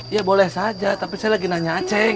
ya boleh saja tapi saya lagi nanya aceh